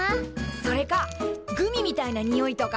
それかグミみたいなにおいとか。